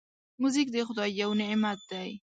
موزیک د خدای یو نعمت دی.